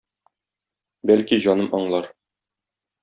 Бәлки, Җаным аңлар?